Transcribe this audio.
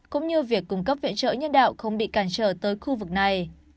cũng như việc cung cấp viện trợ nhân đạo không bị cản trở tới khu vực này